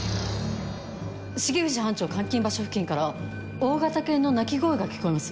重藤班長監禁場所付近から大型犬の鳴き声が聞こえます。